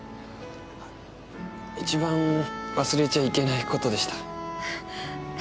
一番忘れちゃいけない事でした。